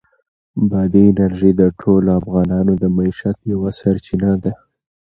بادي انرژي د ټولو افغانانو د معیشت یوه مهمه سرچینه ده.